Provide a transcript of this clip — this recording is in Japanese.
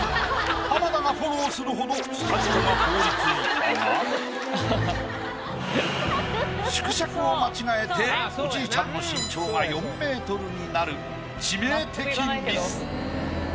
浜田がフォローするほどスタジオが凍りついたが縮尺を間違えておじいちゃんの身長が４メートルになる致命的ミス。